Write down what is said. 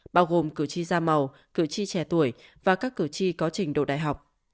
bao gồm cử tri da màu cử tri trẻ tuổi và các cử tri có trình độ đại học